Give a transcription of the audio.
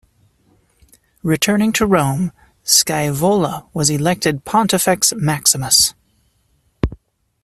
Returning to Rome, Scaevola was elected pontifex maximus.